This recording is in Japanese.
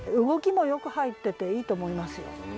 動きもよく入ってていいと思いますよ。